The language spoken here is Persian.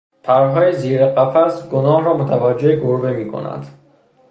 پرهای زیر قفس گناه را متوجه گربه میکند.